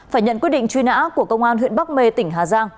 phải nhận quyết định truy nã của công an huyện bắc mê tỉnh hà giang